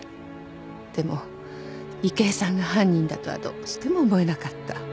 でも池井さんが犯人だとはどうしても思えなかった。